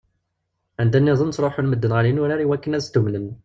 Anda-nniḍen ttruḥun medden ɣer yinurar i wakken ad stummnen.